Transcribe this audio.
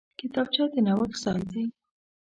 کتابچه د نوښت ځای دی